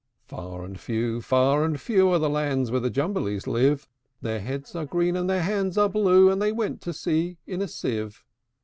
Far and few, far and few, Are the lands where the Jumblies live: Their heads are green, and their hands are blue And they went to sea in a sieve.